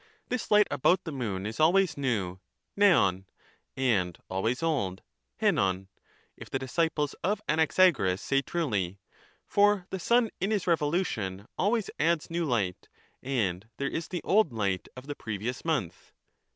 This light about the moon is always new {ytov) and Cratytus. always old {ivov), if the disciples of Anaxagoras say truly. Socrates, For the sun in his revolution always adds new light, and "■^'*'"'^; there is the old light of the previous month.